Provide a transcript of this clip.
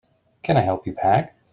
Can I help you pack?